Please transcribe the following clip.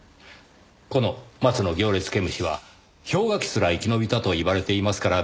このマツノギョウレツケムシは氷河期すら生き延びたと言われていますからねぇ。